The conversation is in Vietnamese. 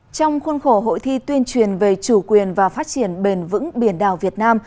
trong khuôn khổ hội thi tuyên truyền về chủ quyền và phát triển bền vững biển đảo việt nam